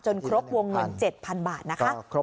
จนครบวงเงิน๗๐๐๐บาทนะครับ